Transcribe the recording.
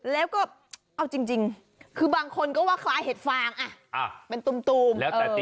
แล้วก็เอาจริงคือบางคนก็ว่าคล้ายเห็ดฟางเป็นตูม